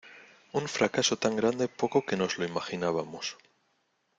Un fracaso tan grande poco que nos lo imaginábamos.